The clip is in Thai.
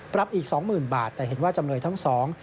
ปรับอีกสองหมื่นบาทแต่เห็นว่าจำเลยทั้งสอง